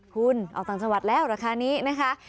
คุณออกต่างจังหวัดแล้วราคานี้นะคะ